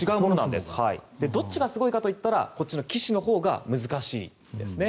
どっちがすごいかといったら棋士のほうが難しいです。